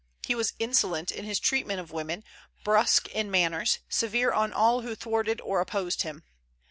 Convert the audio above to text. He was insolent in his treatment of women, brusque in manners, severe on all who thwarted or opposed him.